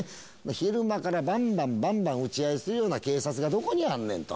昼間から、ばんばんばんばん、撃ち合いするような警察がどこにあんねんと。